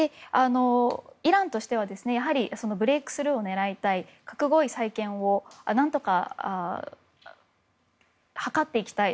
イランとしてはブレークスルーを狙いたい核合意再建を何とか図っていきたい。